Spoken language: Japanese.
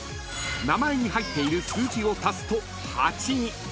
［名前に入っている数字を足すと８に］